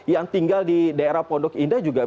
yang tinggal di daerah pondok indah juga